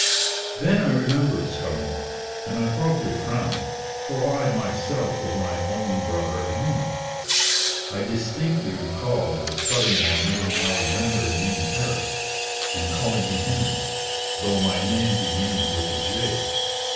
Then I remembered Scudamour, and I probably frowned, for I myself was my own brother Henry. I distinctly recalled Scudamour meeting Alexander and me in Paris, and calling me Henry, though my name begins with a J.